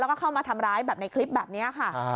แล้วก็เข้ามาทำร้ายแบบในคลิปแบบนี้ค่ะ